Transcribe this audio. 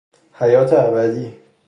حیات ابدی